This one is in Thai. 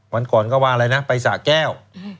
วันก่อนก็ว่าอะไรนะไปสะแก้ว